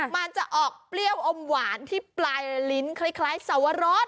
มันจะออกเปรี้ยวอมหวานที่ปลายลิ้นคล้ายสวรส